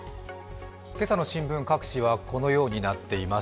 今朝の新聞各紙はこのようになっています。